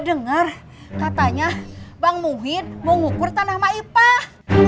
dengar katanya bang muhid mau ngukur tanah maipah